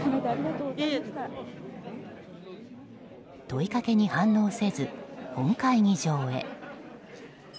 問いかけに反応せず本会議場へ。